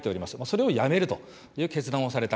それをやめるという決断をされた。